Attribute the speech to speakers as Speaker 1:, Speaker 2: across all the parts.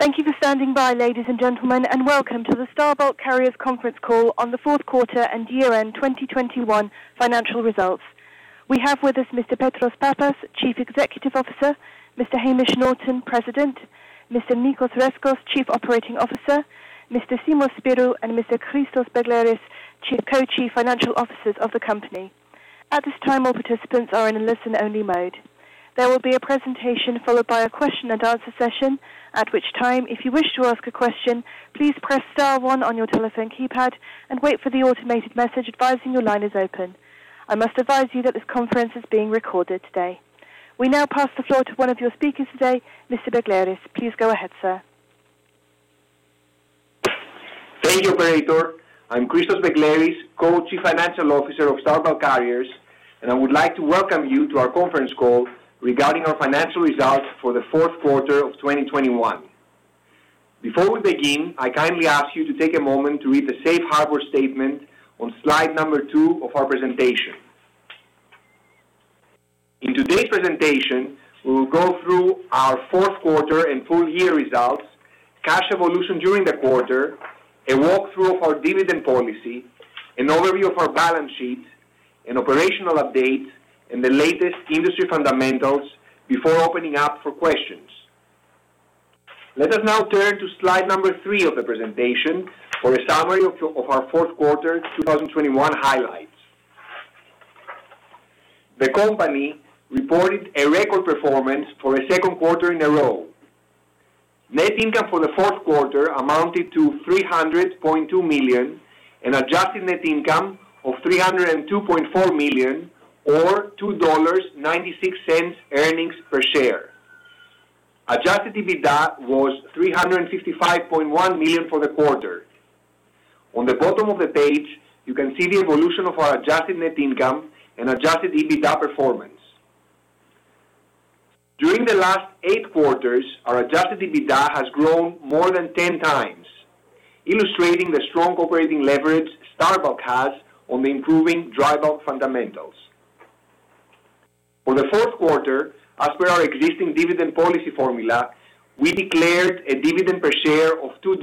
Speaker 1: Thank you for standing by, ladies and gentlemen, and welcome to the Star Bulk Carriers conference call on the fourth quarter and year-end 2021 financial results. We have with us Mr. Petros Pappas, Chief Executive Officer, Mr. Hamish Norton, President, Mr. Nicos Rescos, Chief Operating Officer, Mr. Simos Spyrou, and Mr. Christos Begleris, Co-Chief Financial Officers of the company. At this time, all participants are in a listen-only mode. There will be a presentation followed by a question and answer session, at which time, if you wish to ask a question, please press star one on your telephone keypad and wait for the automated message advising your line is open. I must advise you that this conference is being recorded today. We now pass the floor to one of your speakers today, Mr. Begleris. Please go ahead, sir.
Speaker 2: Thank you, operator. I'm Christos Begleris, Co-Chief Financial Officer of Star Bulk Carriers, and I would like to welcome you to our conference call regarding our financial results for the fourth quarter of 2021. Before we begin, I kindly ask you to take a moment to read the safe harbor statement on slide number two of our presentation. In today's presentation, we will go through our fourth quarter and full year results, cash evolution during the quarter, a walkthrough of our dividend policy, an overview of our balance sheet, an operational update, and the latest industry fundamentals before opening up for questions. Let us now turn to slide number three of the presentation for a summary of our fourth quarter 2021 highlights. The company reported a record performance for a second quarter in a row. Net income for the fourth quarter amounted to $300.2 million, and adjusted net income of $302.4 million or $2.96 earnings per share. Adjusted EBITDA was $355.1 million for the quarter. On the bottom of the page, you can see the evolution of our adjusted net income and adjusted EBITDA performance. During the last eight quarters, our adjusted EBITDA has grown more than 10 times, illustrating the strong operating leverage Star Bulk has on the improving dry bulk fundamentals. For the fourth quarter, as per our existing dividend policy formula, we declared a dividend per share of $2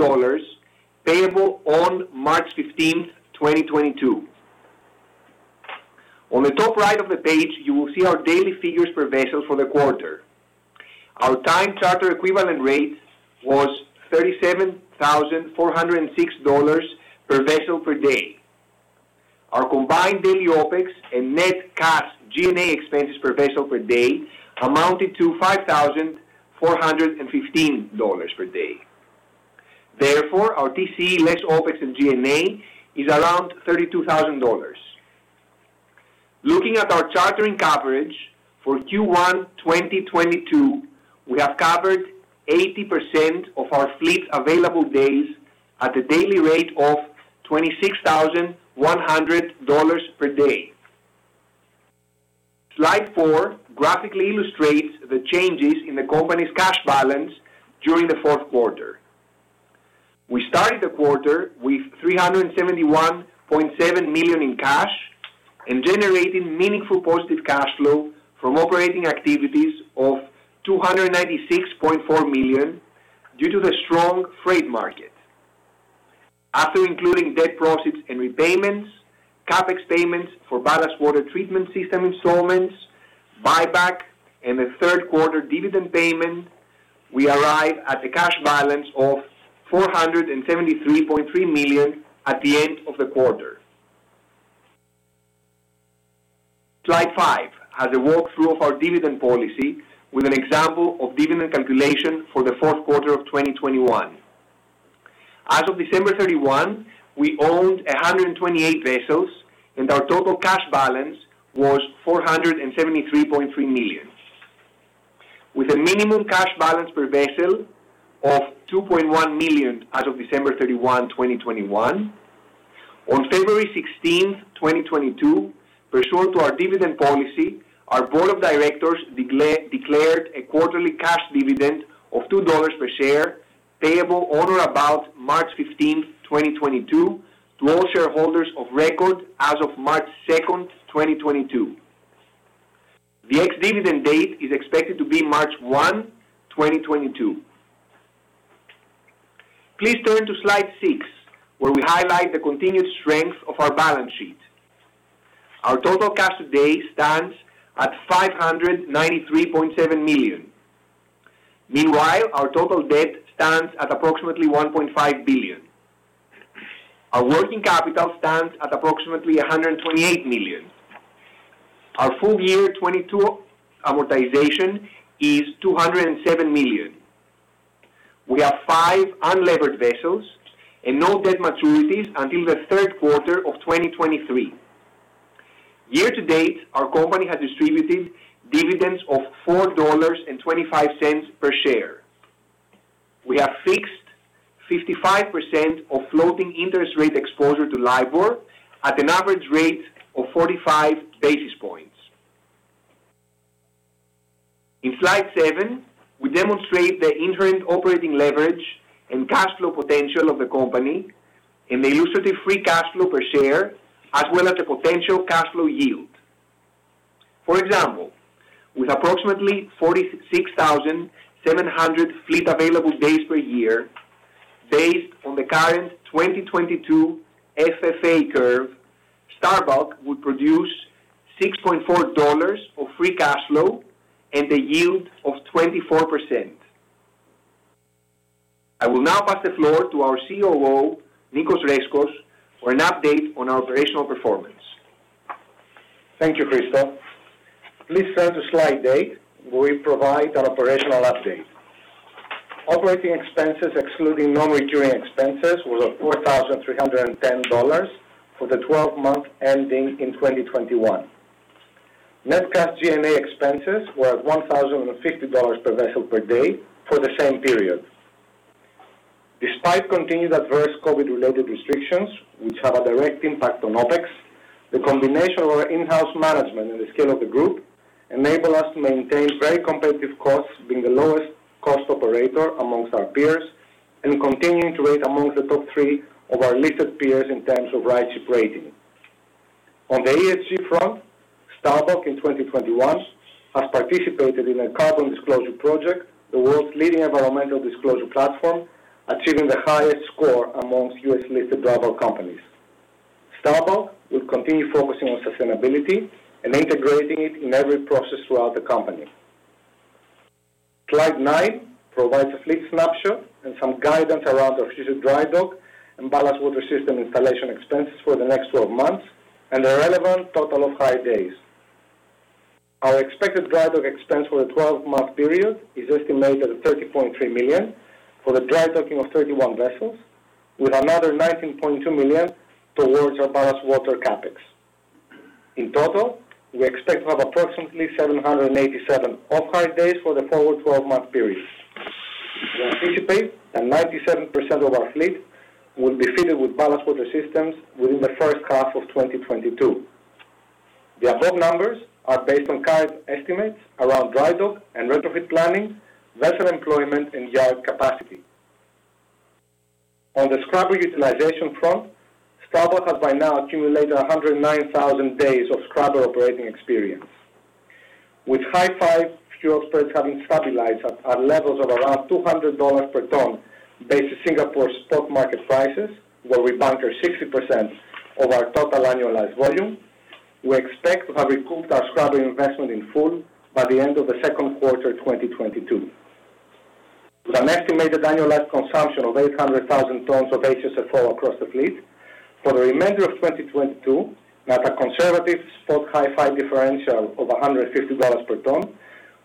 Speaker 2: payable on March 15th, 2022. On the top right of the page, you will see our daily figures per vessel for the quarter. Our time charter equivalent rate was $37,406 per vessel per day. Our combined daily OpEx and net cash G&A expenses per vessel per day amounted to $5,415 per day. Therefore, our TCE less OpEx and G&A is around $32,000. Looking at our chartering coverage for Q1 2022, we have covered 80% of our fleet's available days at a daily rate of $26,100 per day. Slide four graphically illustrates the changes in the company's cash balance during the fourth quarter. We started the quarter with $371.7 million in cash and generating meaningful positive cash flow from operating activities of $296.4 million due to the strong freight market. After including debt proceeds and repayments, CapEx payments for ballast water treatment system installments, buyback, and the third quarter dividend payment, we arrive at a cash balance of $473.3 million at the end of the quarter. Slide 5 has a walkthrough of our dividend policy with an example of dividend calculation for the fourth quarter of 2021. As of December 31, we owned 128 vessels, and our total cash balance was $473.3 million with a minimum cash balance per vessel of $2.1 million as of December 31, 2021. On February 16, 2022, pursuant to our dividend policy, our board of directors declared a quarterly cash dividend of $2 per share, payable on or about March 15, 2022 to all shareholders of record as of March 2, 2022. The ex-dividend date is expected to be March 1, 2022. Please turn to slide six, where we highlight the continued strength of our balance sheet. Our total cash today stands at $593.7 million. Meanwhile, our total debt stands at approximately $1.5 billion. Our working capital stands at approximately $128 million. Our full year 2022 amortization is $207 million. We have five unlevered vessels and no debt maturities until the third quarter of 2023. Year to date, our company has distributed dividends of $4.25 per share. We have fixed 55% of floating interest rate exposure to LIBOR at an average rate of 45 basis points. In slide seven, we demonstrate the inherent operating leverage and cash flow potential of the company in the illustrative free cash flow per share as well as the potential cash flow yield. For example, with approximately 46,700 fleet available days per year, based on the current 2022 FFA curve, Star Bulk would produce $6.4 of free cash flow and a yield of 24%. I will now pass the floor to our COO, Nicos Rescos, for an update on our operational performance.
Speaker 3: Thank you, Christos. Please turn to slide eight, where we provide an operational update. Operating expenses excluding non-recurring expenses was $4,310 for the 12-month period ending in 2021. Net cash G&A expenses was $1,050 per vessel per day for the same period. Despite continued adverse COVID-related restrictions, which have a direct impact on OpEx, the combination of our in-house management and the scale of the group enable us to maintain very competitive costs, being the lowest cost operator among our peers and continuing to rate among the top three of our listed peers in terms of RightShip rating. On the ESG front, Star Bulk in 2021 has participated in the Carbon Disclosure Project, the world's leading environmental disclosure platform, achieving the highest score among U.S.-listed dry bulk companies. Star Bulk will continue focusing on sustainability and integrating it in every process throughout the company. Slide 9 provides a fleet snapshot and some guidance around our future dry dock and ballast water system installation expenses for the next 12 months and the relevant total of hire days. Our expected dry dock expense for the 12-month period is estimated at $30.3 million for the dry docking of 31 vessels, with another $19.2 million towards our ballast water CapEx. In total, we expect to have approximately 787 off-hire days for the forward 12-month period. We anticipate that 97% of our fleet will be fitted with ballast water systems within the first half of 2022. The above numbers are based on current estimates around dry dock and retrofit planning, vessel employment and yard capacity. On the scrubber utilization front, Star Bulk has by now accumulated 109,000 days of scrubber operating experience. With Hi-five fuel spreads having stabilized at levels of around $200 per ton based on Singapore's spot market prices, where we bunker 60% of our total annualized volume, we expect to have recouped our scrubber investment in full by the end of the second quarter 2022. With an estimated annualized consumption of 800,000 tons of HSFO across the fleet, for the remainder of 2022, and at a conservative spot Hi-five lndifferential of $150 per ton,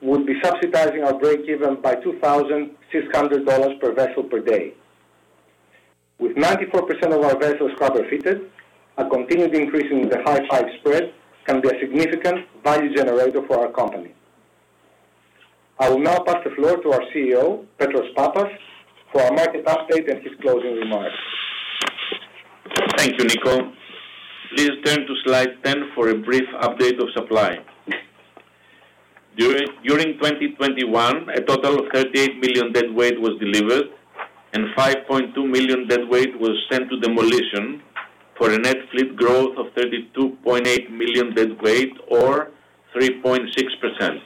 Speaker 3: we'll be subsidizing our breakeven by $2,600 per vessel per day. With 94% of our vessels scrubber-fitted, a continued increase in the Hi-5 spread can be a significant value generator for our company. I will now pass the floor to our CEO, Petros Pappas, for our market update and his closing remarks.
Speaker 4: Thank you, Nicos. Please turn to slide 10 for a brief update of supply. During 2021, a total of 38 million deadweight was delivered and 5.2 million deadweight was sent to demolition for a net fleet growth of 32.8 million deadweight or 3.6%.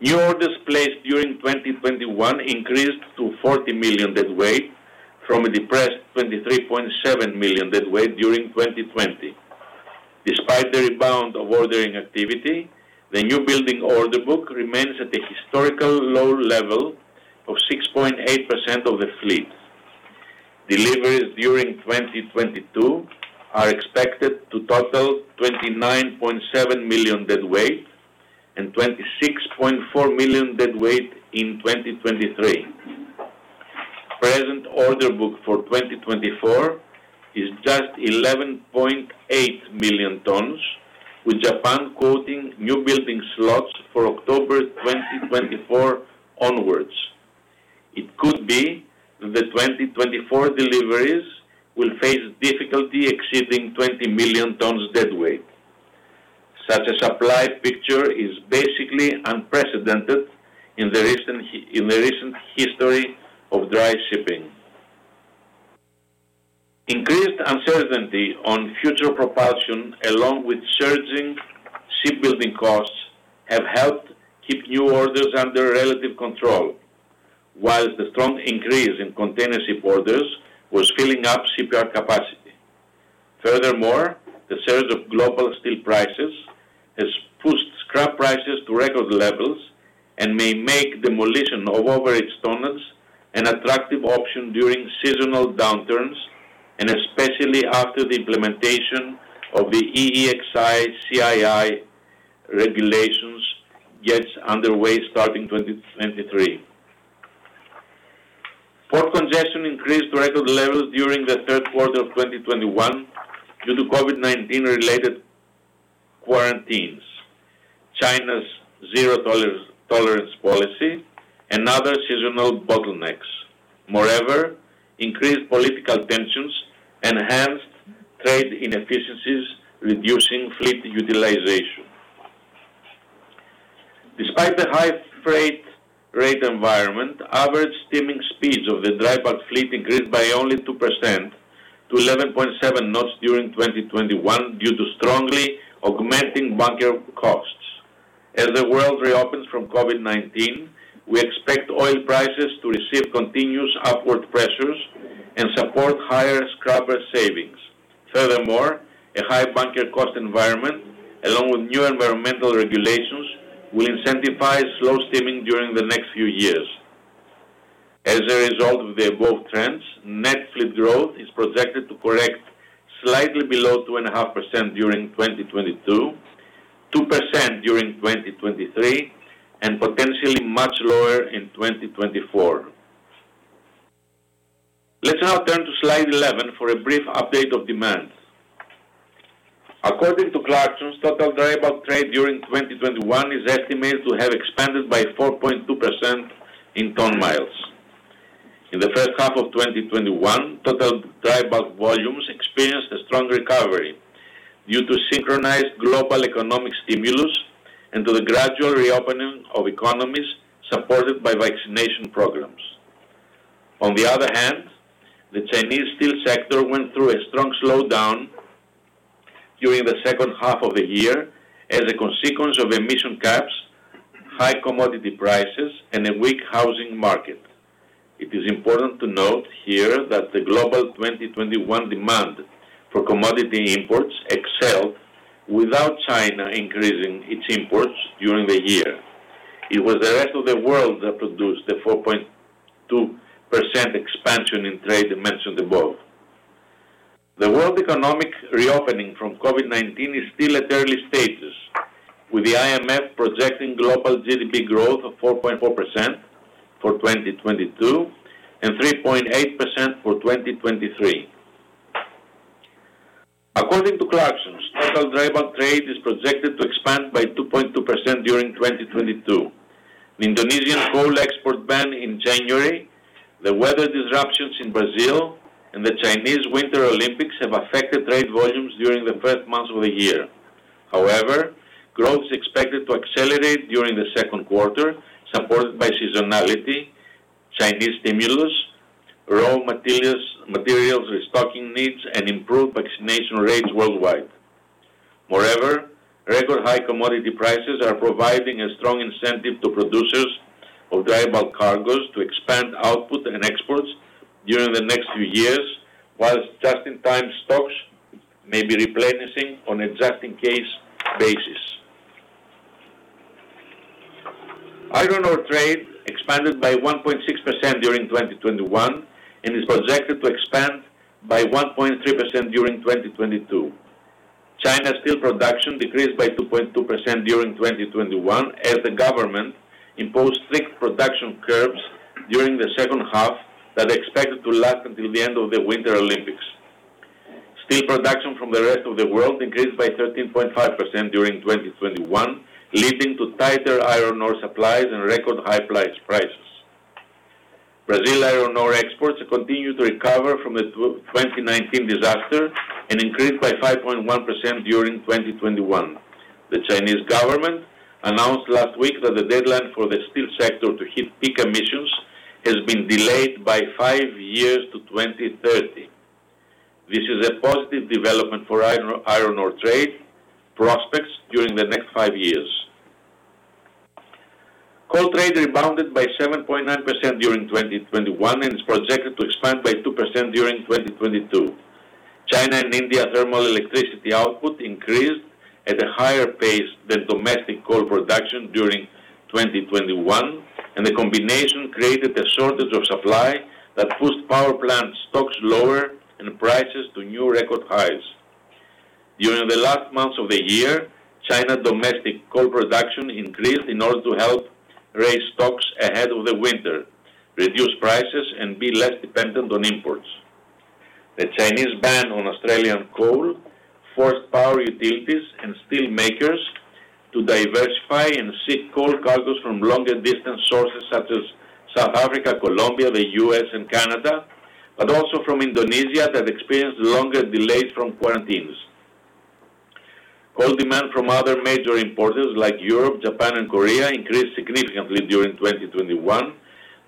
Speaker 4: New orders placed during 2021 increased to 40 million deadweight from a depressed 23.7 million deadweight during 2020. Despite the rebound of ordering activity, the new building order book remains at the historical low level of 6.8% of the fleet. Deliveries during 2022 are expected to total 29.7 million deadweight and 26.4 million deadweight in 2023. Present order book for 2024 is just 11.8 million tons, with Japan quoting new building slots for October 2024 onwards. It could be that the 2024 deliveries will face difficulty exceeding 20 million tons deadweight. Such a supply picture is basically unprecedented in the recent history of dry shipping. Increased uncertainty on future propulsion, along with surging shipbuilding costs, have helped keep new orders under relative control, while the strong increase in container ship orders was filling up shipyard capacity. Furthermore, the surge of global steel prices has pushed scrap prices to record levels and may make demolition of overage tonnage an attractive option during seasonal downturns and especially after the implementation of the EEXI, CII regulations gets underway starting 2023. Port congestion increased to record levels during the third quarter of 2021 due to COVID-19 related quarantines, China's zero-COVID policy and other seasonal bottlenecks. Moreover, increased political tensions enhanced trade inefficiencies, reducing fleet utilization. Despite the high freight rate environment, average steaming speeds of the dry bulk fleet increased by only 2% to 11.7 knots during 2021 due to strongly augmenting bunker costs. As the world reopens from COVID-19, we expect oil prices to receive continuous upward pressures and support higher scrubber savings. Furthermore, a high bunker cost environment, along with new environmental regulations, will incentivize slow steaming during the next few years. As a result of the above trends, net fleet growth is projected to correct slightly below 2.5% during 2022, 2% during 2023, and potentially much lower in 2024. Let's now turn to slide 11 for a brief update of demand. According to Clarksons, total dry bulk trade during 2021 is estimated to have expanded by 4.2% in ton miles. In the first half of 2021, total dry bulk volumes experienced a strong recovery due to synchronized global economic stimulus and to the gradual reopening of economies supported by vaccination programs. On the other hand, the Chinese steel sector went through a strong slowdown during the second half of the year as a consequence of emission caps, high commodity prices, and a weak housing market. It is important to note here that the global 2021 demand for commodity imports excelled without China increasing its imports during the year. It was the rest of the world that produced the 4.2% expansion in trade I mentioned above. The world economic reopening from COVID-19 is still at early stages, with the IMF projecting global GDP growth of 4.4% for 2022 and 3.8% for 2023. According to Clarksons, total dry bulk trade is projected to expand by 2.2% during 2022. The Indonesian coal export ban in January, the weather disruptions in Brazil, and the Chinese Winter Olympics have affected trade volumes during the first months of the year. However, growth is expected to accelerate during the second quarter, supported by seasonality, Chinese stimulus, raw materials restocking needs, and improved vaccination rates worldwide. Moreover, record high commodity prices are providing a strong incentive to producers of dry bulk cargos to expand output and exports during the next few years, while just-in-time stocks may be replenishing on a just-in-case basis. Iron ore trade expanded by 1.6% during 2021 and is projected to expand by 1.3% during 2022. China steel production decreased by 2.2% during 2021 as the government imposed strict production curbs during the second half that are expected to last until the end of the Winter Olympics. Steel production from the rest of the world increased by 13.5% during 2021, leading to tighter iron ore supplies and record high prices. Brazil iron ore exports continue to recover from the 2019 disaster and increased by 5.1% during 2021. The Chinese government announced last week that the deadline for the steel sector to hit peak emissions has been delayed by 5 years to 2030. This is a positive development for iron ore trade prospects during the next five years. Coal trade rebounded by 7.9% during 2021 and is projected to expand by 2% during 2022. China and India thermal electricity output increased at a higher pace than domestic coal production during 2021, and the combination created a shortage of supply that pushed power plant stocks lower and prices to new record highs. During the last months of the year, China domestic coal production increased in order to help raise stocks ahead of the winter, reduce prices, and be less dependent on imports. The Chinese ban on Australian coal forced power utilities and steel makers to diversify and seek coal cargoes from longer distance sources such as South Africa, Colombia, the U.S. and Canada, but also from Indonesia that experienced longer delays from quarantines. Coal demand from other major importers like Europe, Japan, and Korea increased significantly during 2021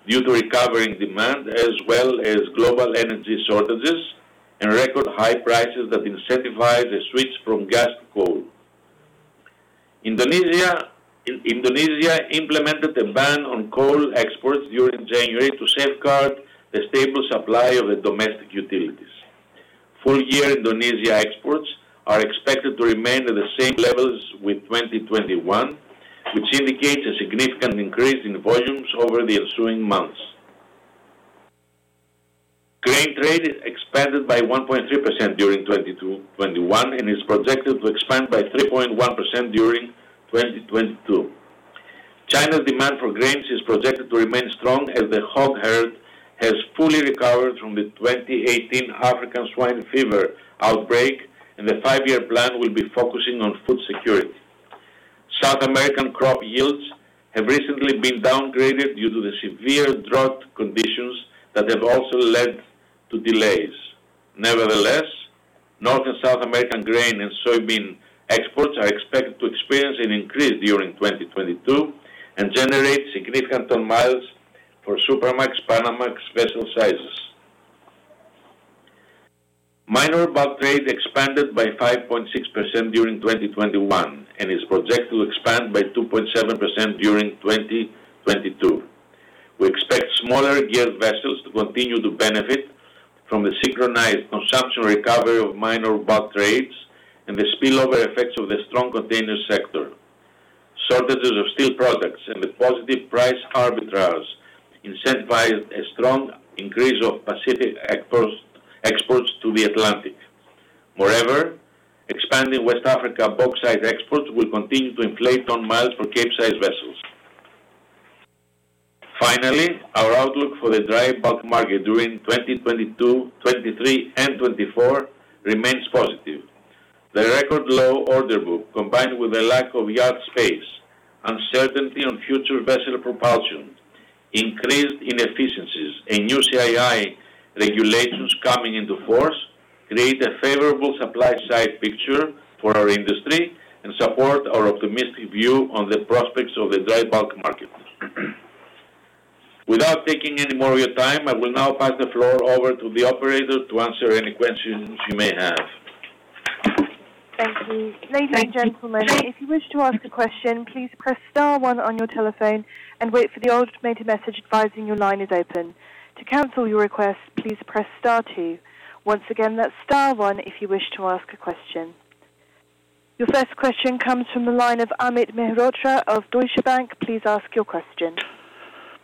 Speaker 4: due to recovering demand, as well as global energy shortages and record high prices that incentivize a switch from gas to coal. Indonesia implemented a ban on coal exports during January to safeguard the stable supply of the domestic utilities. Full year Indonesia exports are expected to remain at the same levels with 2021, which indicates a significant increase in volumes over the ensuing months. Grain trade expanded by 1.3% during 2021 and is projected to expand by 3.1% during 2022. China's demand for grains is projected to remain strong as the hog herd has fully recovered from the 2018 African swine fever outbreak, and the five-year plan will be focusing on food security. South American crop yields have recently been downgraded due to the severe drought conditions that have also led to delays. Nevertheless, North and South American grain and soybean exports are expected to experience an increase during 2022 and generate significant ton miles for Supramax, Panamax special sizes. Minor bulk trade expanded by 5.6% during 2021 and is projected to expand by 2.7% during 2022. We expect smaller geared vessels to continue to benefit from the synchronized consumption recovery of minor bulk trades and the spillover effects of the strong container sector. Shortages of steel products and the positive price arbitrage incentivized a strong increase of Pacific exports to the Atlantic. Moreover, expanding West Africa bauxite exports will continue to inflate ton miles for Capesize vessels. Finally, our outlook for the dry bulk market during 2022, 2023 and 2024 remains positive. The record low order book, combined with the lack of yard space, uncertainty on future vessel propulsion, increased inefficiencies and new CII regulations coming into force create a favorable supply side picture for our industry and support our optimistic view on the prospects of the dry bulk market. Without taking any more of your time, I will now pass the floor over to the operator to answer any questions you may have.
Speaker 1: Thank you. Ladies and gentlemen, if you wish to ask a question, please press star one on your telephone and wait for the automated message advising your line is open. To cancel your request, please press star two. Once again, that's star one if you wish to ask a question. Your first question comes from the line of Amit Mehrotra of Deutsche Bank. Please ask your question.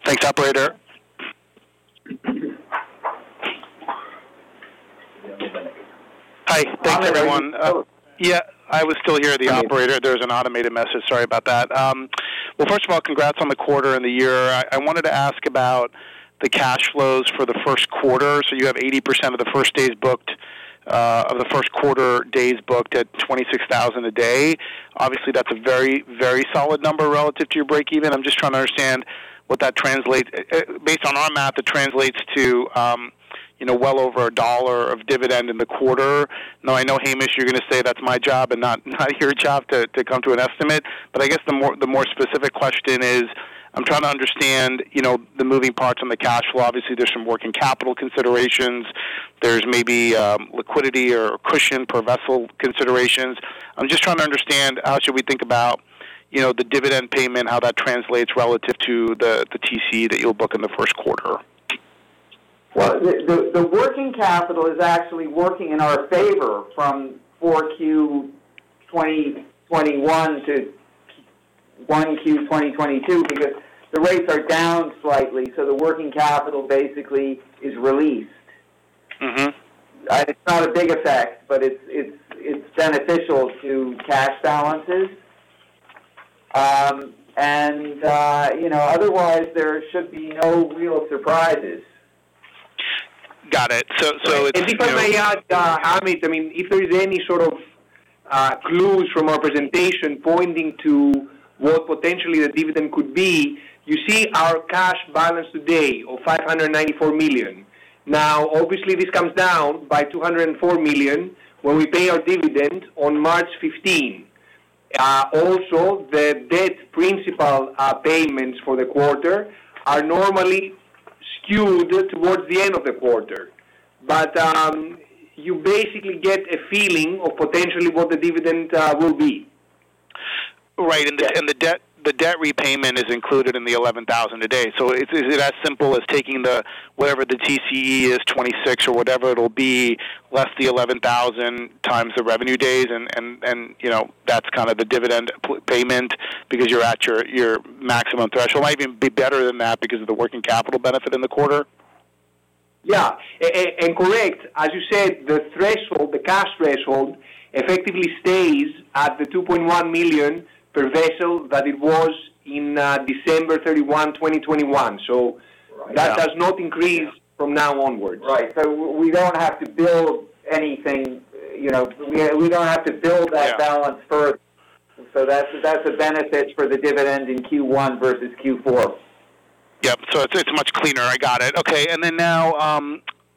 Speaker 5: Thanks, operator. Hi. Thanks, everyone. I was still here at the operator. There was an automated message. Sorry about that. Well, first of all, congrats on the quarter and the year. I wanted to ask about the cash flows for the first quarter. You have 80% of the first days booked of the first quarter days booked at $26,000 a day. Obviously, that's a very, very solid number relative to your breakeven. I'm just trying to understand what that translates. Based on our math, it translates to, you know, well over $1 of dividend in the quarter. Now, I know, Hamish, you're going to say that's my job and not your job to come to an estimate. I guess the more specific question is, I'm trying to understand, you know, the moving parts on the cash flow. Obviously, there's some working capital considerations. There's maybe, liquidity or cushion per vessel considerations. I'm just trying to understand how should we think about, you know, the dividend payment, how that translates relative to the TCE that you'll book in the first quarter.
Speaker 6: Well, the working capital is actually working in our favor from 4Q 2021 to 1Q 2022 because the rates are down slightly, so the working capital basically is released.
Speaker 5: Mm-hmm.
Speaker 6: It's not a big effect, but it's beneficial to cash balances. You know, otherwise there should be no real surprises.
Speaker 5: Got it. It's
Speaker 2: If I may add, Amit, I mean, if there is any sort of clues from our presentation pointing to what potentially the dividend could be, you see our cash balance today of $594 million. Now, obviously this comes down by $204 million when we pay our dividend on March 15. Also the debt principal payments for the quarter are normally skewed towards the end of the quarter. You basically get a feeling of potentially what the dividend will be.
Speaker 5: Right. The debt repayment is included in the $11,000 a day. Is it as simple as taking whatever the TCE is, $26,000 or whatever it'll be, less the $11,000 times the revenue days and, you know, that's kind of the dividend payment because you're at your maximum threshold. Might even be better than that because of the working capital benefit in the quarter.
Speaker 4: Yeah. Correct. As you said, the threshold, the cash threshold effectively stays at the $2.1 million per vessel that it was in December 31, 2021. That does not increase from now onwards.
Speaker 6: Right. We don't have to build anything, you know. We don't have to build that balance first. That's a benefit for the dividends in Q1 versus Q4.
Speaker 5: Yep. It's much cleaner. I got it. Okay. Then now,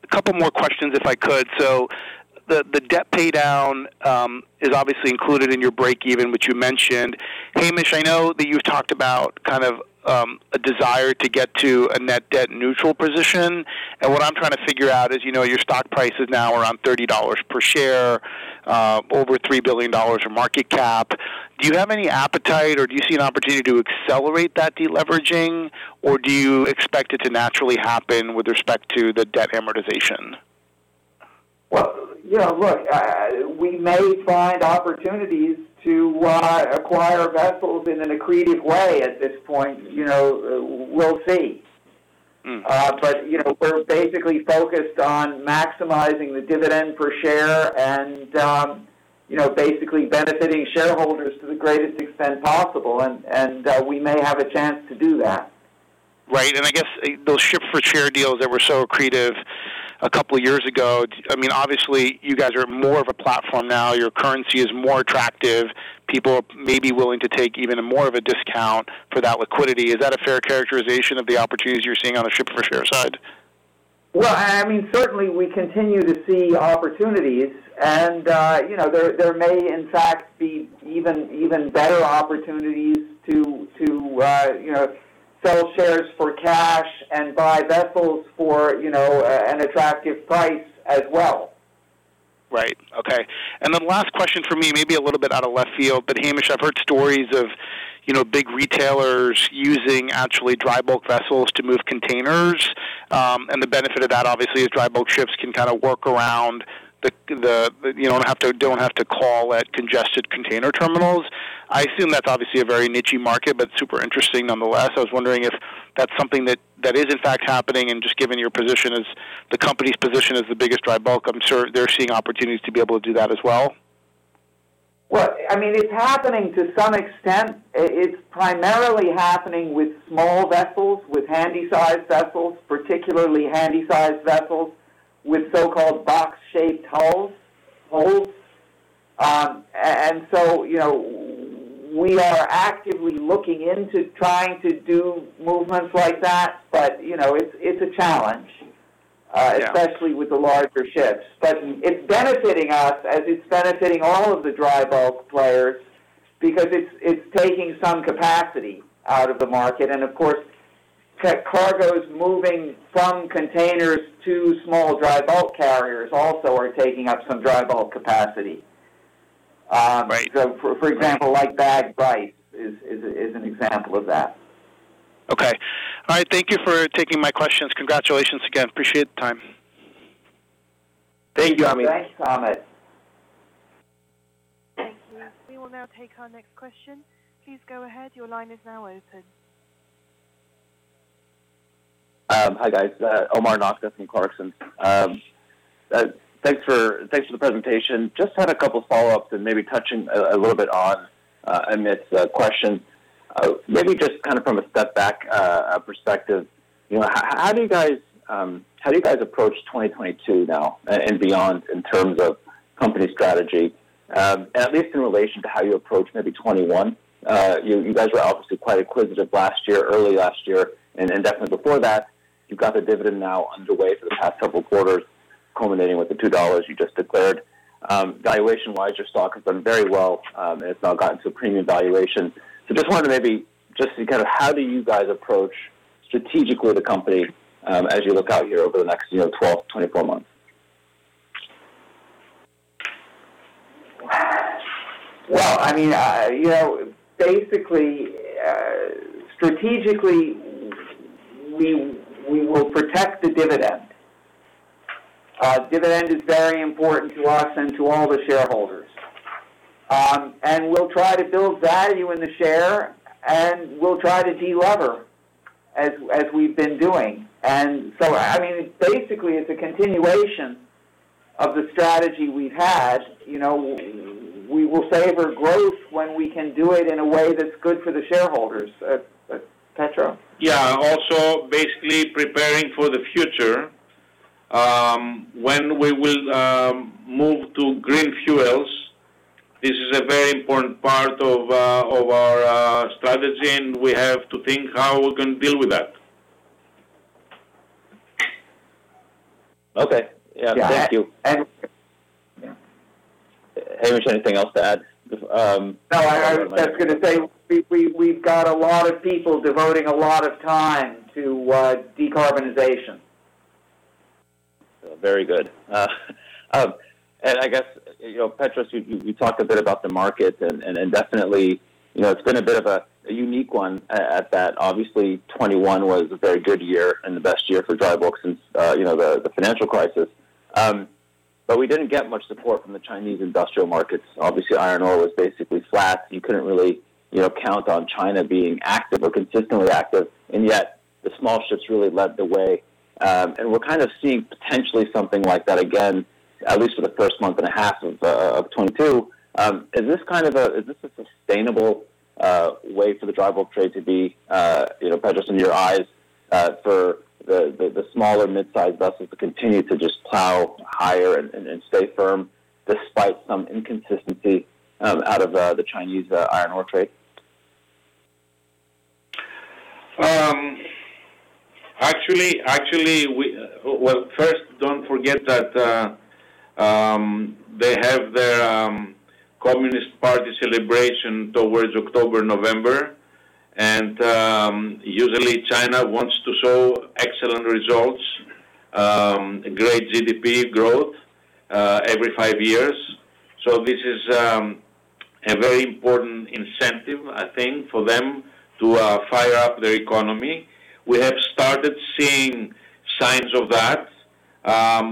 Speaker 5: a couple more questions if I could. The debt paydown is obviously included in your breakeven, which you mentioned. Hamish, I know that you've talked about kind of a desire to get to a net debt neutral position. What I'm trying to figure out is, you know, your stock price is now around $30 per share, over $3 billion in market cap. Do you have any appetite or do you see an opportunity to accelerate that deleveraging, or do you expect it to naturally happen with respect to the debt amortization?
Speaker 6: Well, you know, look, we may find opportunities to acquire vessels in an accretive way at this point, you know, we'll see.
Speaker 5: Mm.
Speaker 6: You know, we're basically focused on maximizing the dividend per share and, you know, basically benefiting shareholders to the greatest extent possible. We may have a chance to do that.
Speaker 5: Right. I guess those ship-for-share deals that were so accretive a couple years ago, I mean, obviously you guys are more of a platform now. Your currency is more attractive. People may be willing to take even more of a discount for that liquidity. Is that a fair characterization of the opportunities you're seeing on the ship-for-share side?
Speaker 6: Well, I mean, certainly we continue to see opportunities and, you know, there may in fact be even better opportunities to, you know, sell shares for cash and buy vessels for, you know, an attractive price as well.
Speaker 5: Right. Okay. Then last question for me, maybe a little bit out of left field, but Hamish, I've heard stories of, you know, big retailers using actually dry bulk vessels to move containers. And the benefit of that obviously is dry bulk ships can kinda work around the, you know, don't have to call at congested container terminals. I assume that's obviously a very niche-y market but super interesting nonetheless. I was wondering if that's something that is in fact happening and just given your position as the company's position as the biggest dry bulk, I'm sure they're seeing opportunities to be able to do that as well.
Speaker 6: Well, I mean, it's happening to some extent. It's primarily happening with small vessels, particularly handy-sized vessels with so-called box-shaped hulls. You know, we are actively looking into trying to do movements like that, but you know, it's a challenge.
Speaker 5: Yeah.
Speaker 6: Especially with the larger ships. It's benefiting us as it's benefiting all of the dry bulk players because it's taking some capacity out of the market. Of course, cargoes moving from containers to small dry bulk carriers also are taking up some dry bulk capacity.
Speaker 5: Right.
Speaker 6: For example, like bagged rice is an example of that.
Speaker 5: Okay. All right. Thank you for taking my questions. Congratulations again. Appreciate the time.
Speaker 6: Thank you, Amit.
Speaker 4: Thanks, Amit.
Speaker 1: Thank you. We will now take our next question. Please go ahead. Your line is now open.
Speaker 7: Hi guys. Omar Nokta from Clarksons. Thanks for the presentation. Just had a couple follow-ups and maybe touching a little bit on Amit's question. Maybe just kind of from a step back perspective, you know, how do you guys approach 2022 now and beyond in terms of company strategy? At least in relation to how you approach maybe 2021. You guys were obviously quite acquisitive last year, early last year and definitely before that. You've got the dividend now underway for the past several quarters culminating with the $2 you just declared. Valuation-wise, your stock has done very well, and it's now gotten some premium valuation. Just wanted to maybe just to kind of how do you guys approach strategically the company as you look out here over the next, you know, 12, 24 months?
Speaker 6: Well, I mean, you know, basically, strategically we will protect the dividend. Dividend is very important to us and to all the shareholders. We'll try to build value in the share and we'll try to de-lever as we've been doing. I mean, basically it's a continuation of the strategy we've had. You know, we will favor growth when we can do it in a way that's good for the shareholders. Petros.
Speaker 4: Yeah. Also basically preparing for the future, when we will move to green fuels. This is a very important part of our strategy, and we have to think how we can deal with that.
Speaker 7: Okay. Yeah. Thank you.
Speaker 6: Yeah.
Speaker 7: Hamish, anything else to add?
Speaker 6: No, I was just gonna say we've got a lot of people devoting a lot of time to decarbonization.
Speaker 7: Very good. I guess, you know, Petros, you talked a bit about the market and definitely, you know, it's been a bit of a unique one at that. Obviously 2021 was a very good year and the best year for dry bulk since, you know, the financial crisis. We didn't get much support from the Chinese industrial markets. Obviously, iron ore was basically flat. You couldn't really, you know, count on China being active or consistently active, and yet the small ships really led the way. We're kind of seeing potentially something like that again, at least for the first month and a half of 2022. Is this kind of a Is this a sustainable way for the dry bulk trade to be, you know, Petros, in your eyes, for the smaller mid-sized vessels to continue to just plow higher and stay firm despite some inconsistency out of the Chinese iron ore trade?
Speaker 4: Well, first don't forget that they have their Communist Party celebration towards October, November. Usually China wants to show excellent results, great GDP growth every five years. This is a very important incentive, I think, for them to fire up their economy. We have started seeing signs of that.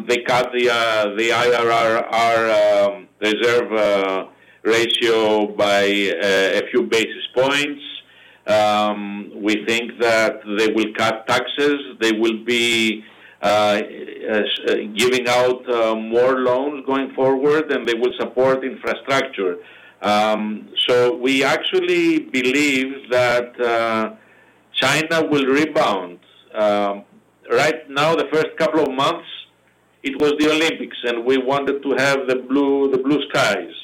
Speaker 4: They cut the RRR reserve ratio by a few basis points. We think that they will cut taxes. They will be giving out more loans going forward, and they will support infrastructure. We actually believe that China will rebound. Right now, the first couple of months it was the Olympics and we wanted to have the blue skies.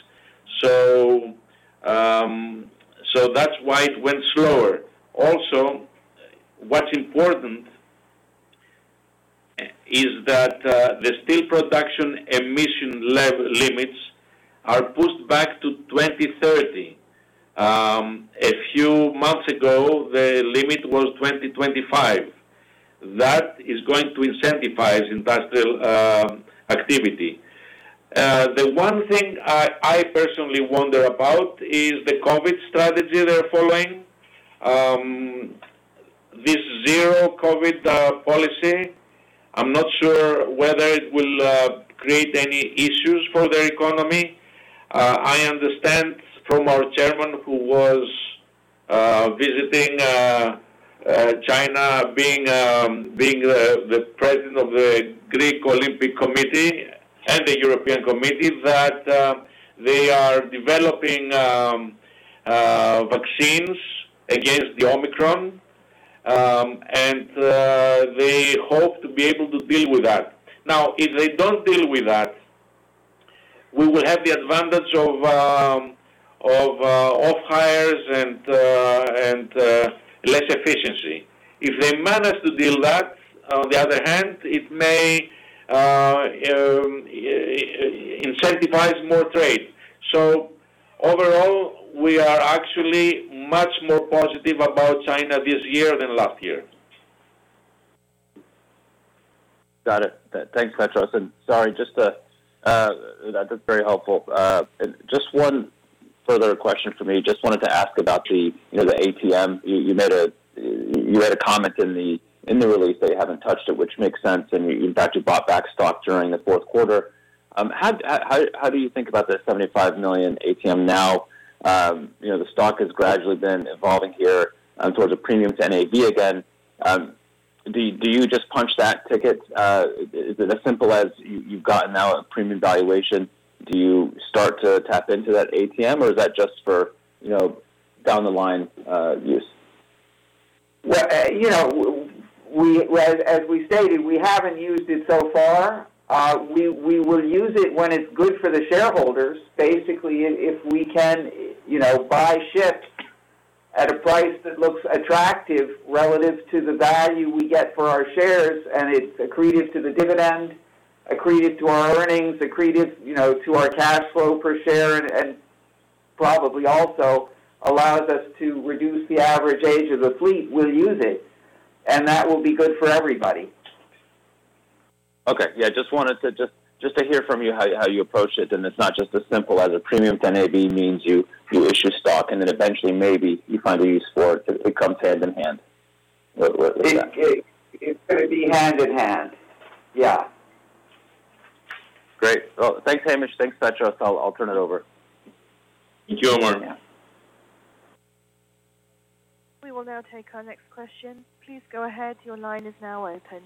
Speaker 4: That's why it went slower. Also, what's important is that the steel production emission limits are pushed back to 2030. A few months ago, the limit was 2025. That is going to incentivize industrial activity. The one thing I personally wonder about is the COVID strategy they're following. This zero-COVID policy, I'm not sure whether it will create any issues for their economy. I understand from our chairman who was visiting China being the president of the Hellenic Olympic Committee and the European Olympic Committees that they are developing vaccines against the Omicron. They hope to be able to deal with that. Now, if they don't deal with that, we will have the advantage of off hires and less efficiency. If they manage to deal that, on the other hand, it may incentivize more trade. Overall, we are actually much more positive about China this year than last year.
Speaker 7: Got it. Thanks, Petros. Sorry, that was very helpful. Just one further question for me. Just wanted to ask about the, you know, the ATM. You made a comment in the release that you haven't touched it, which makes sense. You in fact bought back stock during the fourth quarter. How do you think about the $75 million ATM now? You know, the stock has gradually been evolving here towards the premium to NAV again. Do you just punch that ticket? Is it as simple as you've got now a premium valuation, do you start to tap into that ATM, or is that just for, you know, down the line use?
Speaker 4: Well, you know, as we stated, we haven't used it so far. We will use it when it's good for the shareholders. Basically, if we can, you know, buy ships at a price that looks attractive relative to the value we get for our shares, and it's accretive to the dividend, accretive to our earnings, accretive, you know, to our cash flow per share, and probably also allows us to reduce the average age of the fleet, we'll use it, and that will be good for everybody.
Speaker 7: Okay. Yeah, just wanted to hear from you how you approach it, and it's not just as simple as a premium to NAV means you issue stock and then eventually maybe you find a use for it. It comes hand in hand with that.
Speaker 4: It's gonna be hand in hand. Yeah.
Speaker 7: Great. Well, thanks, Hamish. Thanks, Petros. I'll turn it over.
Speaker 4: Thank you very much.
Speaker 1: We will now take our next question. Please go ahead. Your line is now open.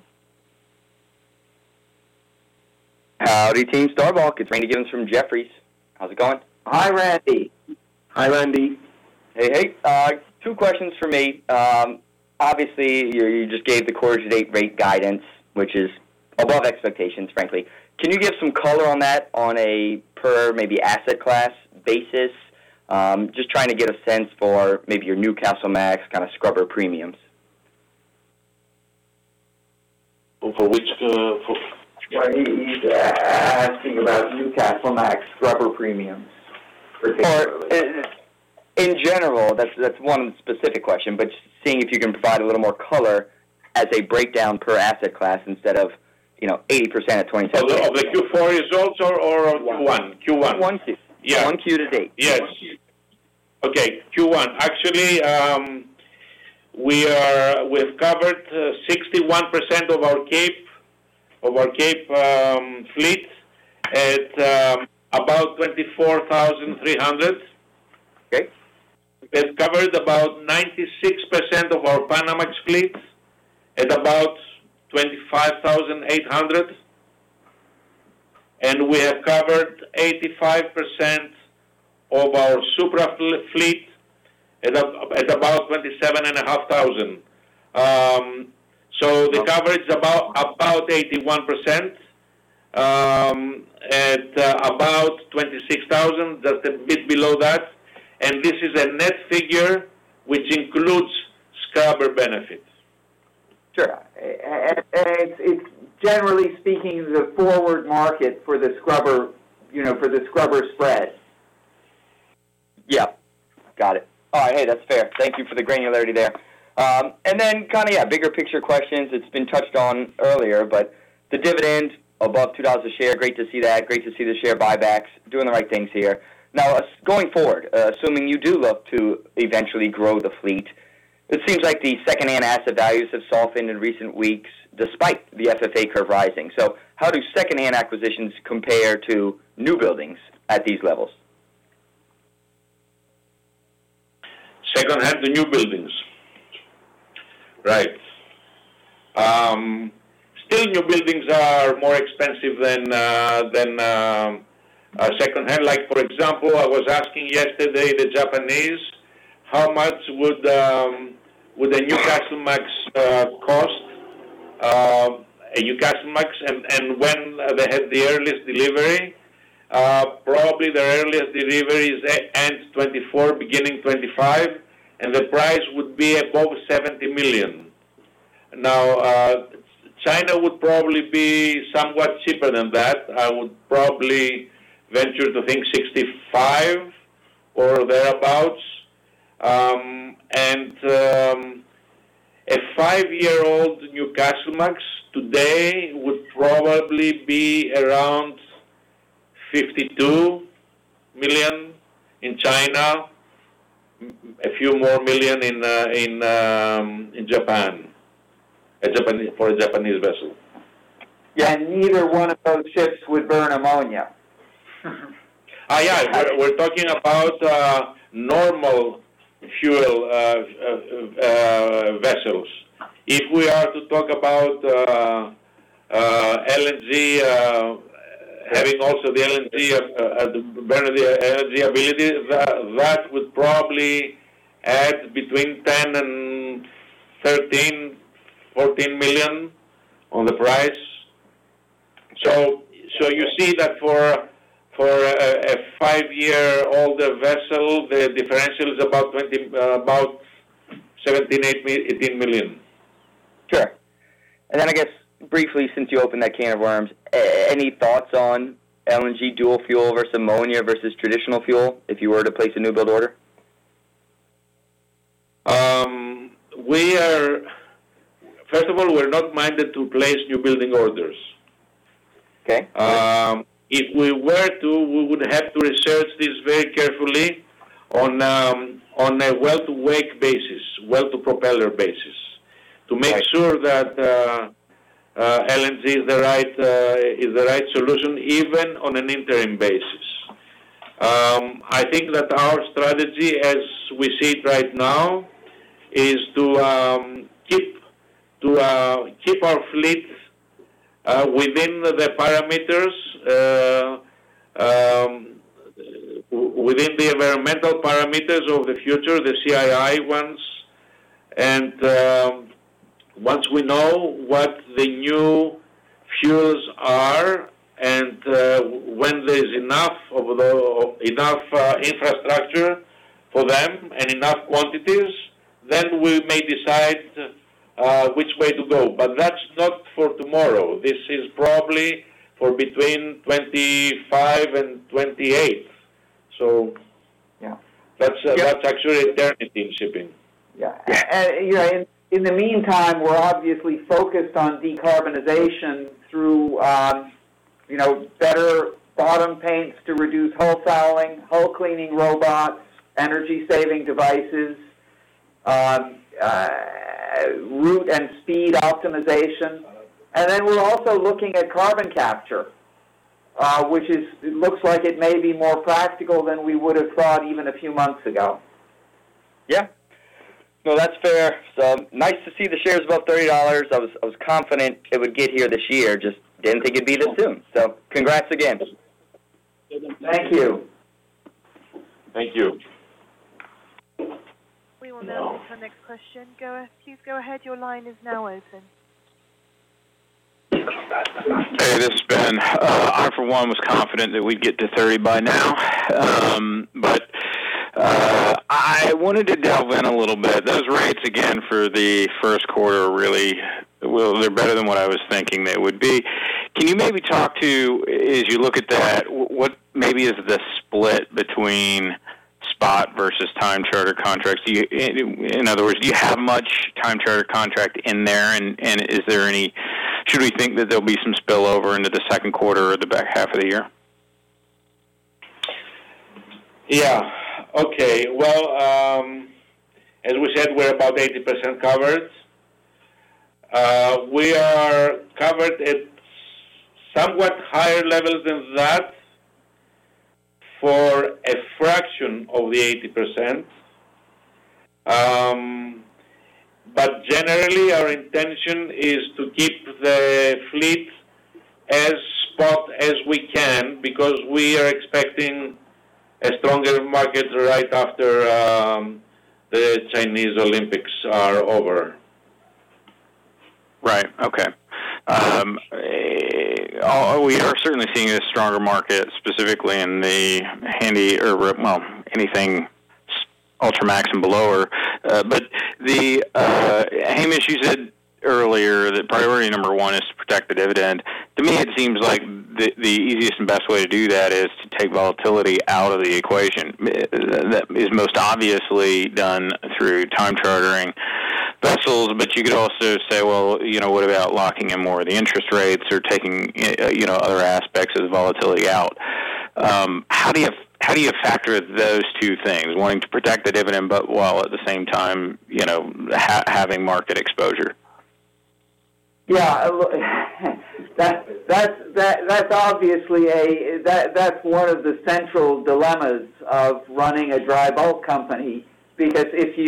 Speaker 8: Howdy, Team Star Bulk. It's Randy Giveans from Jefferies. How's it going?
Speaker 4: Hi, Randy.
Speaker 6: Hi, Randy.
Speaker 8: Two questions from me. Obviously, you just gave the quarter-to-date rate guidance, which is above expectations, frankly. Can you give some color on that on a per maybe asset class basis? Just trying to get a sense for maybe your Newcastlemax kind of scrubber premiums.
Speaker 4: For which, uh, for
Speaker 6: Well, he's asking about Newcastlemax scrubber premiums particularly.
Speaker 8: In general. That's one specific question, but just seeing if you can provide a little more color as a breakdown per asset class instead of, you know, 80% of 27
Speaker 4: Of the Q4 results or Q1?
Speaker 8: Q1.
Speaker 4: Q1.
Speaker 8: Q1 to
Speaker 4: Yeah.
Speaker 8: Q1 to date.
Speaker 4: Yes. Okay, Q1. Actually, we've covered 61% of our Capesize fleet at about $24,300.
Speaker 8: Okay.
Speaker 4: We've covered about 96% of our Panamax fleet at about $25,800. We have covered 85% of our Supramax fleet at about $27,500. The coverage is about 81% at about $26,000. That's a bit below that. This is a net figure which includes scrubber benefits.
Speaker 6: Sure. It's generally speaking, the forward market for the scrubber, you know, for the scrubber spread.
Speaker 8: Yeah. Got it. All right. Hey, that's fair. Thank you for the granularity there. Kinda, yeah, bigger picture questions. It's been touched on earlier, but the dividend above $2 a share. Great to see that. Great to see the share buybacks doing the right things here. Now, going forward, assuming you do look to eventually grow the fleet, it seems like the secondhand asset values have softened in recent weeks despite the FFA curve rising. How do secondhand acquisitions compare to new buildings at these levels?
Speaker 4: Secondhand to new buildings. Right. Still new buildings are more expensive than secondhand. Like for example, I was asking yesterday the Japanese, how much would a Newcastlemax. And when they had the earliest delivery, probably their earliest delivery is end 2024, beginning 2025, and the price would be above $70 million. Now, China would probably be somewhat cheaper than that. I would probably venture to think $65 million or thereabouts. And a five-year-old Newcastlemax today would probably be around $52 million in China, a few more million in Japan, for a Japanese vessel.
Speaker 6: Yeah. Neither one of those ships would burn ammonia.
Speaker 4: We're talking about normal fuel vessels. If we are to talk about LNG having also the LNG as the better the energy ability, that would probably add between $10 and $13-$14 million on the price. You see that for a five-year older vessel, the differential is about $20, about $17-$18 million.
Speaker 8: Sure. Then I guess briefly, since you opened that can of worms, any thoughts on LNG dual fuel versus ammonia versus traditional fuel if you were to place a new build order?
Speaker 4: First of all, we're not minded to place new building orders.
Speaker 8: Okay.
Speaker 4: If we were to, we would have to research this very carefully on a well-to-wake basis, well-to-propeller basis.
Speaker 8: Okay
Speaker 4: to make sure that LNG is the right solution, even on an interim basis. I think that our strategy as we see it right now is to keep our fleet within the environmental parameters of the future, the CII ones. Once we know what the new fuels are and when there is enough infrastructure for them and enough quantities, then we may decide which way to go. But that's not for tomorrow. This is probably for between 2025 and 2028.
Speaker 6: Yeah.
Speaker 4: That's actually eternity in shipping.
Speaker 6: Yeah.
Speaker 4: Yeah.
Speaker 6: You know, in the meantime, we're obviously focused on decarbonization through you know, better bottom paints to reduce hull fouling, hull cleaning robots, energy-saving devices, route and speed optimization.
Speaker 4: Uh.
Speaker 6: We're also looking at carbon capture, which, it looks like, it may be more practical than we would have thought even a few months ago.
Speaker 8: Yeah. No, that's fair. Nice to see the shares above $30. I was confident it would get here this year. Just didn't think it'd be this soon. Congrats again.
Speaker 6: Thank you.
Speaker 4: Thank you.
Speaker 1: We will now move to the next question. Go ahead, please. Your line is now open.
Speaker 9: Hey, this is Ben. I, for one, was confident that we'd get to 30 by now. I wanted to delve in a little bit. Those rates again for the first quarter really were a little better than what I was thinking they would be. Can you maybe talk to, as you look at that, what maybe is the split between spot versus time charter contracts? In other words, do you have much time charter contract in there, and is there any spillover into the second quarter or the back half of the year?
Speaker 4: Yeah. Okay. Well, as we said, we're about 80% covered. We are covered at somewhat higher levels than that for a fraction of the 80%. Generally, our intention is to keep the fleet as spot as we can because we are expecting a stronger market right after the Chinese Olympics are over.
Speaker 9: We are certainly seeing a stronger market specifically in the Handysize or well anything Supramax and below. Hamish, you said earlier that priority number 1 is to protect the dividend. To me, it seems like the easiest and best way to do that is to take volatility out of the equation. That is most obviously done through time chartering vessels, but you could also say, well, you know, what about locking in more of the interest rates or taking, you know, other aspects of the volatility out? How do you factor those two things, wanting to protect the dividend, but while at the same time, you know, having market exposure?
Speaker 6: Yeah. Look, that's obviously one of the central dilemmas of running a dry bulk company, because if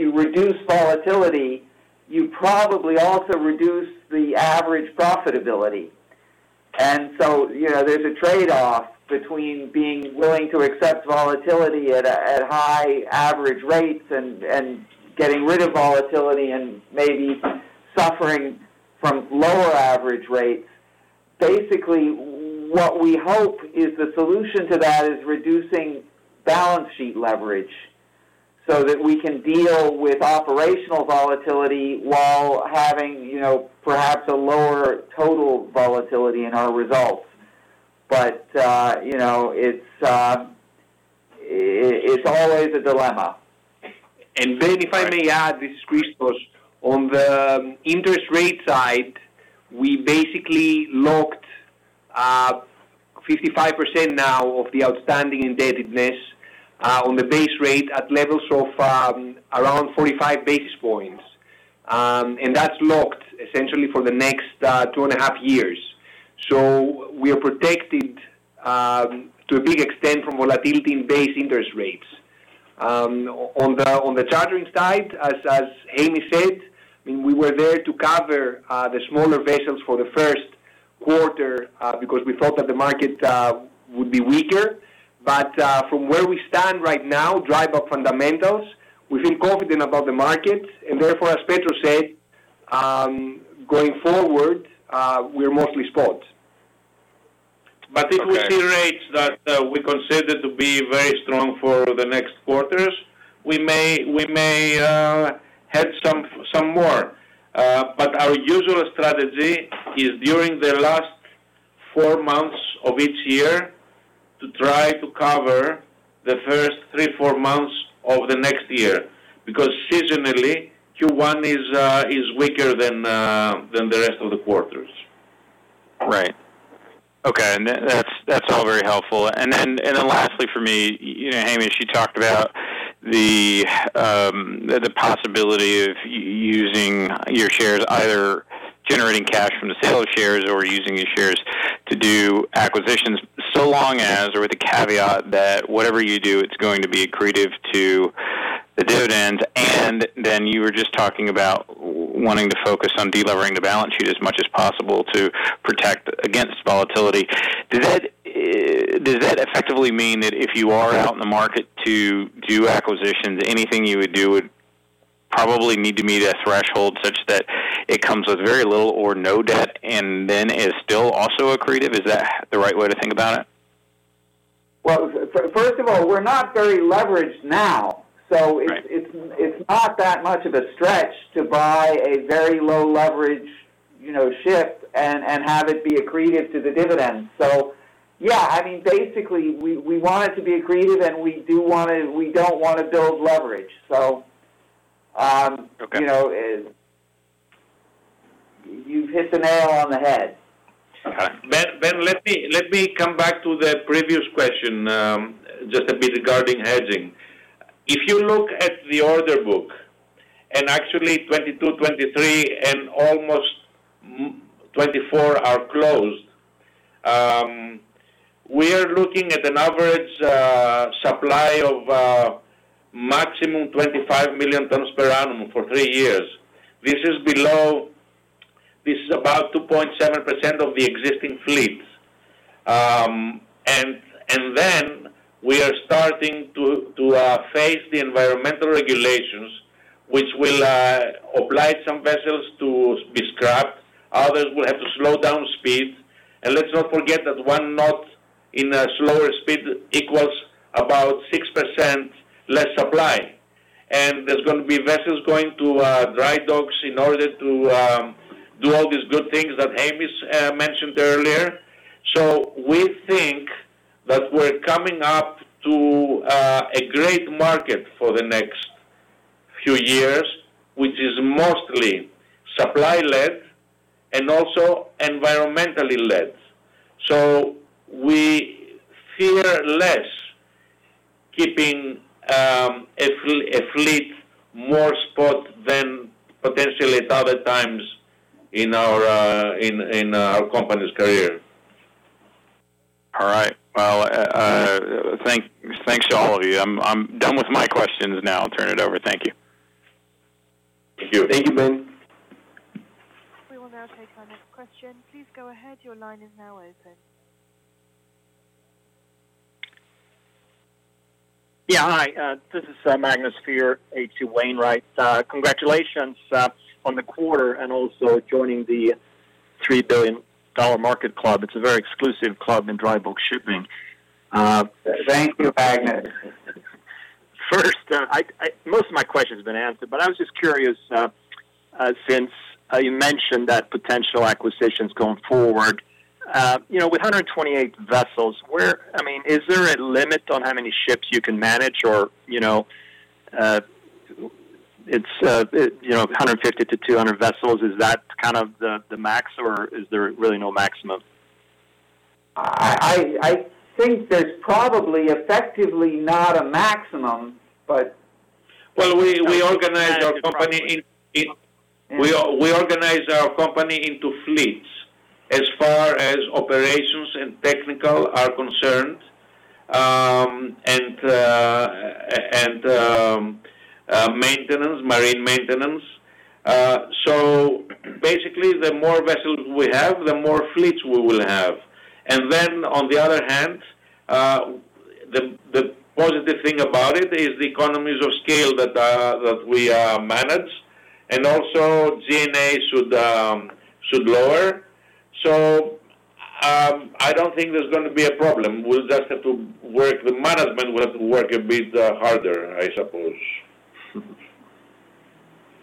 Speaker 6: you reduce volatility, you probably also reduce the average profitability. You know, there's a trade-off between being willing to accept volatility at high average rates and getting rid of volatility and maybe suffering from lower average rates. Basically, what we hope is the solution to that is reducing balance sheet leverage so that we can deal with operational volatility while having, you know, perhaps a lower total volatility in our results. You know, it's always a dilemma.
Speaker 2: Ben, if I may add, this is Christos. On the interest rate side, we basically locked 55% now of the outstanding indebtedness on the base rate at levels of around 45 basis points. And that's locked essentially for the next two and half years. We are protected to a big extent from volatility in base interest rates. On the chartering side, as Hamish said, I mean, we were there to cover the smaller vessels for the first quarter because we thought that the market would be weaker. But from where we stand right now, dry bulk fundamentals, we feel confident about the market, and therefore, as Petros said, going forward, we are mostly spot.
Speaker 9: Okay.
Speaker 2: If we see rates that we consider to be very strong for the next quarters, we may hedge some more. Our usual strategy is during the last four months of each year to try to cover the first three, four months of the next year because seasonally Q1 is weaker than the rest of the quarters.
Speaker 9: Right. Okay. That's all very helpful. Lastly for me, you know, Hamish, she talked about the possibility of using your shares, either generating cash from the sale of shares or using your shares to do acquisitions so long as or with the caveat that whatever you do, it's going to be accretive to the dividend. You were just talking about wanting to focus on delevering the balance sheet as much as possible to protect against volatility. Does that effectively mean that if you are out in the market to do acquisitions, anything you would do would probably need to meet a threshold such that it comes with very little or no debt and then is still also accretive? Is that the right way to think about it?
Speaker 6: Well, first of all, we're not very leveraged now.
Speaker 9: Right.
Speaker 6: It's not that much of a stretch to buy a very low leverage, you know, ship and have it be accretive to the dividend. Yeah, I mean, basically we want it to be accretive, and we don't wanna build leverage.
Speaker 9: Okay.
Speaker 6: You know, you've hit the nail on the head.
Speaker 9: Okay.
Speaker 2: Ben, let me come back to the previous question, just a bit regarding hedging. If you look at the order book, actually 2022, 2023 and almost 2024 are closed, we are looking at an average supply of maximum 25 million tons per annum for three years. This is about 2.7% of the existing fleet. Then we are starting to face the environmental regulations, which will oblige some vessels to be scrapped. Others will have to slow down speed. Let's not forget that one knot in a slower speed equals about 6% less supply. There's gonna be vessels going to dry docks in order to do all these good things that Hamish's mentioned earlier. We think that we're coming up to a great market for the next few years, which is mostly supply-led and also environmentally led. We fear less keeping a fleet more spot than potentially at other times in our company's career.
Speaker 9: All right. Well, thanks to all of you. I'm done with my questions now. I'll turn it over. Thank you.
Speaker 2: Thank you.
Speaker 6: Thank you, Ben.
Speaker 1: We will now take our next question. Please go ahead. Your line is now open.
Speaker 10: Yeah. Hi, this is Magnus Fyhr, H.C. Wainwright. Congratulations on the quarter and also joining the $3 billion market club. It's a very exclusive club in dry bulk shipping.
Speaker 6: Thank you, Magnus.
Speaker 10: First, most of my question's been answered, but I was just curious, since you mentioned that potential acquisitions going forward. You know, with 128 vessels, I mean, is there a limit on how many ships you can manage or, you know, it's 150-200 vessels, is that kind of the max, or is there really no maximum?
Speaker 6: I think there's probably effectively not a maximum, but.
Speaker 4: Well, we organize our company in. We organize our company into fleets as far as operations and technical are concerned, and maintenance, marine maintenance. Basically, the more vessels we have, the more fleets we will have. On the other hand, the positive thing about it is the economies of scale that we manage, and also G&A should lower. I don't think there's gonna be a problem. We'll just have to work, the management will have to work a bit harder, I suppose.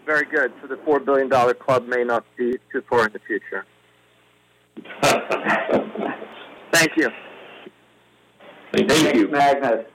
Speaker 10: Very good. The $4 billion club may not be too far in the future. Thank you.
Speaker 4: Thank you.
Speaker 6: Thanks, Magnus.